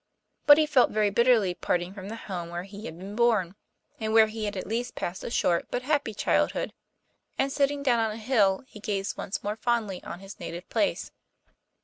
But he felt very bitterly parting from the home where he had been born, and where he had at least passed a short but happy childhood, and sitting down on a hill he gazed once more fondly on his native place.